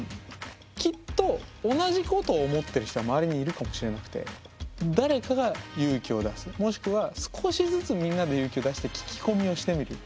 きっと同じことを思ってる人は周りにいるかもしれなくて誰かが勇気を出すもしくは少しずつみんなで勇気を出して聞き込みをしてみる。